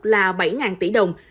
là bảy tỷ đồng